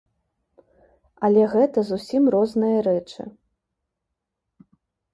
Але гэта зусім розныя рэчы.